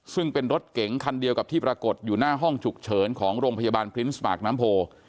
ซึ่งเป็นรถเก๋งคันเดียวกับที่ปรากฏอยู่หน้าห้องฉุกเฉินของโรงพยาบาลพรินส์ปากน้ำโพ